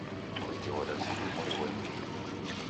Mruke ghwadazidi mori ghwa imbiri.